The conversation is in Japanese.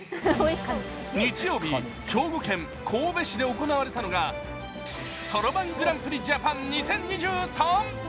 日曜日、兵庫県神戸市で行われたのが、そろばんグランプリジャパン２０２３。